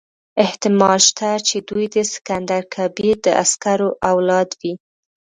احتمال شته چې دوی د سکندر کبیر د عسکرو اولاد وي.